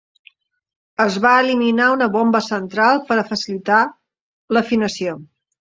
Es va eliminar una bomba central per a facilitar l'afinació.